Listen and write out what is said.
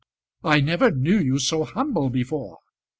"I never knew you so humble before."